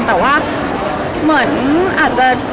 แต่ว่าเหมือนอาจจะ